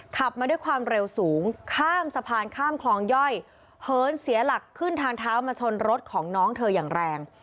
ขับมาด้วยความเร็วสูงข้ามสะพานข้ามคลองย่อยเหินเสียหลักขึ้นทางเท้ามาชนรถของน้องเธออย่างแรง